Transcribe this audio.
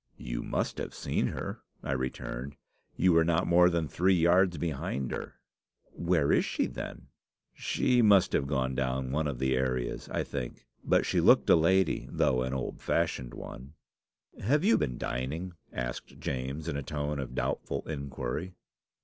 "'You must have seen her,' I returned. 'You were not more than three yards behind her.' "'Where is she then?' "'She must have gone down one of the areas, I think. But she looked a lady, though an old fashioned one.' "'Have you been dining?' asked James, in a tone of doubtful inquiry.